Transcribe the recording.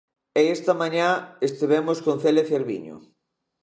E esta mañá estivemos con Celia Cerviño.